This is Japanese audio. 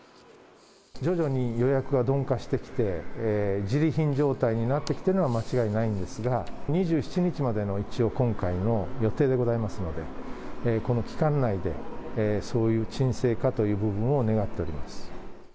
徐々に予約は鈍化してきて、じり貧状態になってきているのは間違いないんですが、２７日までの一応、今回の予定でございますので、この期間内で、そういう沈静化という部分を願っております。